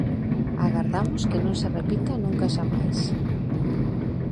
Agardamos que non se repita nunca xamais.